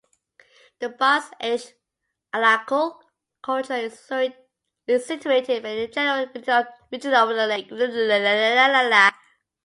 The Bronze Age Alakul culture is situated in the general region of the lake.